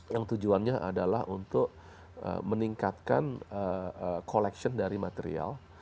yang tujuannya adalah untuk meningkatkan collection dari material